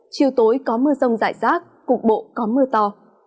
chiều tối có mưa rông rải rác cục bộ có mưa to